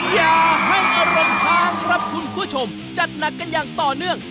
อย่าให้อารมณ์ทางครับคุณผู้ชมจัดหนักกันอย่างต่อเนื่อง